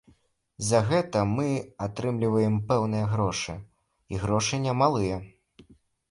За гэта мы атрымліваем пэўныя грошы, і грошы немалыя.